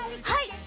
はい！